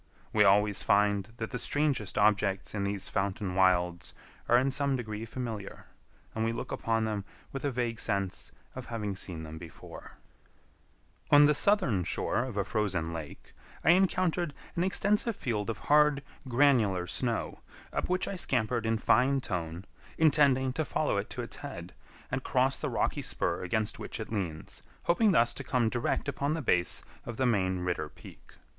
We always find that the strangest objects in these fountain wilds are in some degree familiar, and we look upon them with a vague sense of having seen them before. [Illustration: GENERAL GRANT TREE, GENERAL GRANT NATIONAL PARK] On the southern shore of a frozen lake, I encountered an extensive field of hard, granular snow, up which I scampered in fine tone, intending to follow it to its head, and cross the rocky spur against which it leans, hoping thus to come direct upon the base of the main Ritter peak.